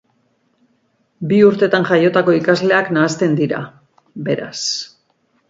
Bi urtetan jaiotako ikasleak nahasten dira, beraz.